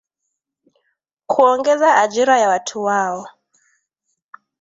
kuongeza ajira ya watu wao